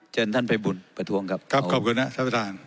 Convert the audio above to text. เชิญท่านภัยบุญประท้วงครับครับขอบคุณนะท่านประธาน